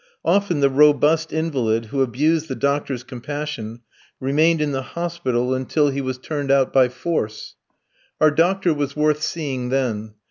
Often the robust invalid who abused the doctor's compassion remained in the hospital until he was turned out by force. Our doctor was worth seeing then.